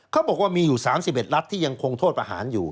เขาบอกว่ามีอยู่๓๑รัฐที่ยังคงโทษประหารอยู่